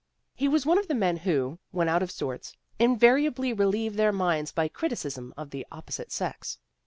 He was one of the men who, when out of sorts, invariable relieve their minds by criti cism of the opposite sex.